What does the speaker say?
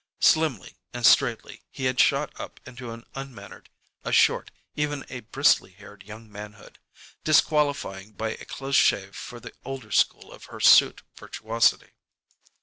Slimly and straightly he had shot up into an unmannered, a short, even a bristly haired young manhood, disqualifying by a close shave for the older school of hirsute virtuosity.